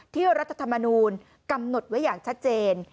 รัฐธรรมนูลกำหนดไว้อย่างชัดเจน